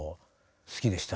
好きでした。